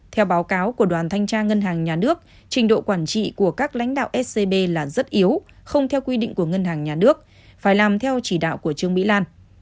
theo báo cáo của đoàn thanh tra ngân hàng nhà nước trình độ quản trị của các lãnh đạo scb là rất yếu không theo quy định của ngân hàng nhà nước phải làm theo chỉ đạo của trương mỹ lan